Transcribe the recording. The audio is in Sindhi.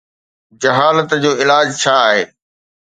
جهالت جو علاج ڇا آهي؟